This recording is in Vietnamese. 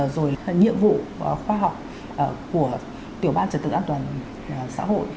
rồi nhiệm vụ khoa học của tiểu ban trật tự an toàn xã hội